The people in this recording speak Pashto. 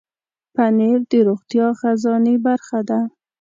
پنېر د روغتیا خزانې برخه ده.